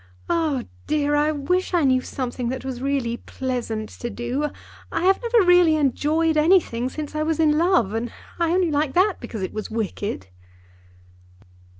Oh, dear, I wish I knew something that was really pleasant to do. I have never really enjoyed anything since I was in love, and I only liked that because it was wicked."